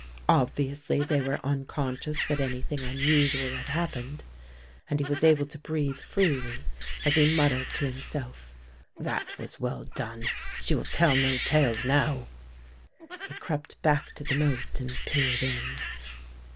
Obviously they were unconscious that anything unusual had happened and he was able to breathe freely as he muttered to himself, "That was well done, she will tell no tales now." He crept back to the moat and peered in.